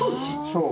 そう。